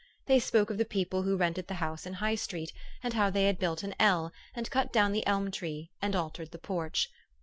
They spoke of the people who rented the house in High Street, and how they had built an L, and cut down the elm tree, and altered the porch.